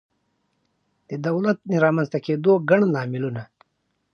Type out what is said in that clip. د دولت د رامنځته کېدو ګڼ لاملونه